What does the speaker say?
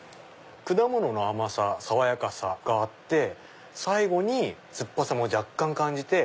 果物の甘さ爽やかさがあって最後に酸っぱさも若干感じて。